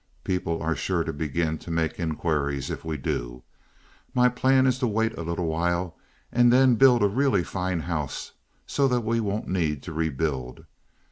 People are sure to begin to make inquiries if we do. My plan is to wait a little while and then build a really fine house so that we won't need to rebuild.